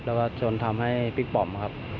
แล้วก็จนทำให้ปิ๊กปอมครับ